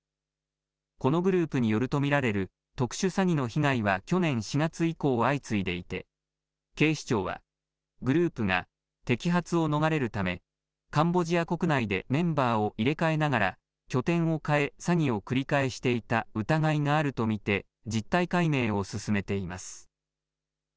このグループによると見られる特殊詐欺の被害は去年４月以降、相次いでいて、警視庁はグループが摘発を逃れるため、カンボジア国内でメンバーを入れ替えながら、拠点を変え、詐欺を繰り返していた疑いがあると見て、実態解明を進めています。